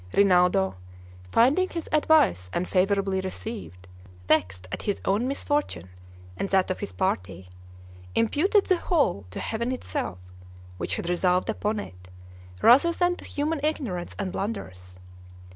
Rinaldo, finding his advice unfavorably received, vexed at his own misfortune and that of his party, imputed the whole to heaven itself, which had resolved upon it, rather than to human ignorance and blunders.